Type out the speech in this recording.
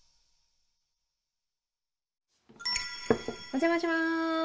お邪魔します。